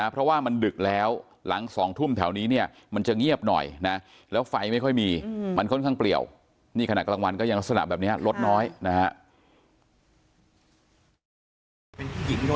เป็นที่หญิงโดนอุ้มด้วยหรือไงเคยได้ยินของเหมือนนั้น